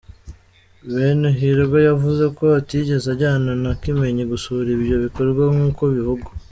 Benihirwe yavuze ko atigeze ajyana na Kimenyi gusura ibyo bikorwa nkuko bivugwa.